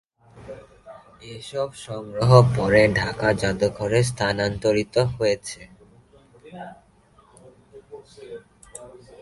এসব সংগ্রহ পরে ঢাকা জাদুঘরে স্থানান্তরিত হয়েছে।